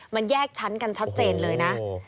มันแยกชั้นกันชัดเจนเลยนะ